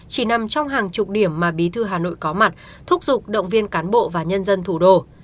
chỉ nằm trong hàng chục điểm mà bí thư hà nội có mặt thúc giục động viên cán bộ và nhân dân thủ đô